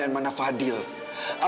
apakah anak saya bisa jadi yang terbuka